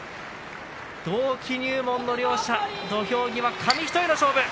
同期入門の両者、土俵際紙一重の勝負。